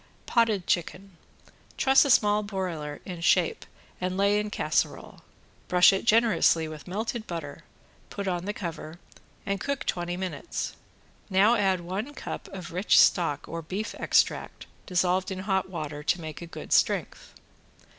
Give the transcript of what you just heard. ~POTTED CHICKEN~ Truss a small broiler in shape and lay in casserole. Brush it generously with melted butter, put on the cover, and cook twenty minutes. Now add one cup of rich stock or beef extract dissolved in hot water to make a good strength.